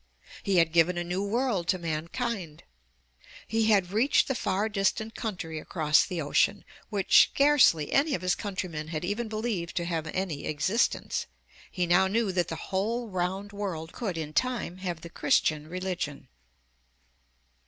He had given a new world to mankind! He had reached the far distant country across the ocean, which scarcely any of his countrymen had even believed to have any existence. He now 215 MY BOOK HOUSE knew that the whole round world could in time have the Christian reUgion.